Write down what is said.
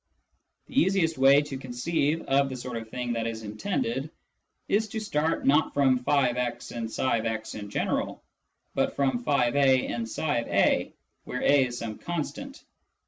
The easiest way to conceive of the sort of thing that is intended is to start not from ^>x and ijix in general, but from <f>a and if/a, where a is some constant.